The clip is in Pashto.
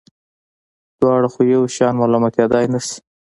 دواړه خو یو شان ملامتېدلای نه شي.